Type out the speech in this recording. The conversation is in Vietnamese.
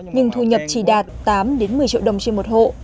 nhưng thu nhập chỉ đạt tám một mươi triệu đồng trên một hộ